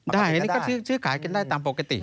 ได้อันนี้ก็ซื้อขายกันได้ตามปกติ